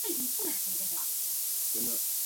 参加弥撒的教友从十多人逐渐增加到数十人。